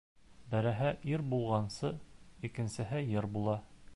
Береһе ир булғансы, икенсеһе ер була.